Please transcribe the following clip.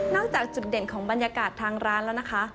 จากจุดเด่นของบรรยากาศทางร้านแล้วนะคะ